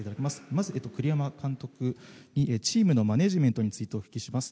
まず栗山監督にチームのマネジメントについてお聞きします。